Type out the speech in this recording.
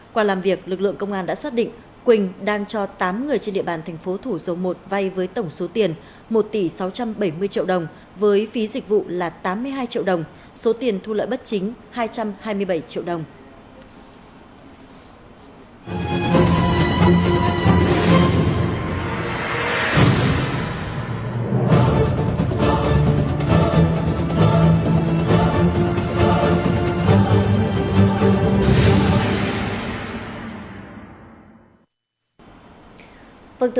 qua làm việc lực lượng công an đã xác định quỳnh đang cho tám người trên địa bàn tp thủ dầu một vay với tổng số tiền một tỷ sáu trăm bảy mươi triệu đồng với phí dịch vụ là tám mươi hai triệu đồng số tiền thu lợi bất chính hai trăm hai mươi bảy triệu đồng